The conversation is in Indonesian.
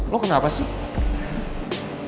lo kenapa sih